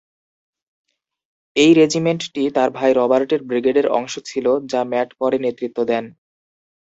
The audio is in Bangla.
এই রেজিমেন্টটি তার ভাই রবার্টের ব্রিগেডের অংশ ছিল, যা ম্যাট পরে নেতৃত্ব দেন।